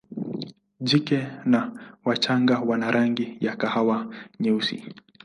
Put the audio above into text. Jike na wachanga wana rangi ya kahawa nyeusi.